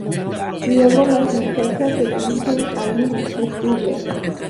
Luego las muchachas se dirigen a Lux Studios.